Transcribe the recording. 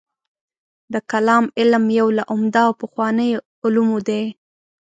د کلام علم یو له عمده او پخوانیو علومو دی.